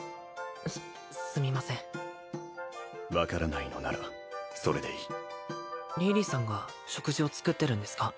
すすみません分からないのならそれでいいリーリさんが食事を作ってるんですか？